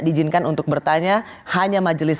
diizinkan untuk bertanya hanya majelis